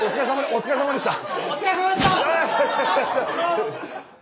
お疲れさまでした！